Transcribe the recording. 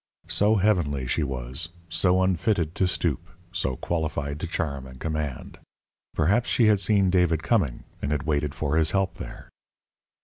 So heavenly she was, so unfitted to stoop, so qualified to charm and command! Perhaps she had seen David coming, and had waited for his help there.